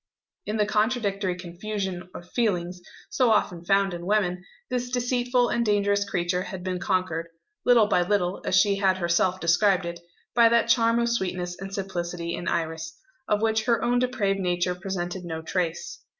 In the contradictory confusion of feelings, so often found in women, this deceitful and dangerous creature had been conquered little by little, as she had herself described it by that charm of sweetness and simplicity in Iris, of which her own depraved nature presented no trace.